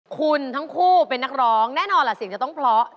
คุณทั้งคู่เป็นนักร้องแน่นอนล่ะเสียงจะต้องเพราะ